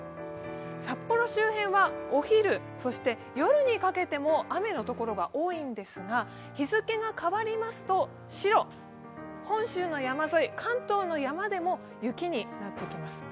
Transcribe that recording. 札幌周辺はお昼、夜にかけても雨のところが多いんですが、日付が変わりますと白、本州の山沿い、関東の山でも雪になってきます。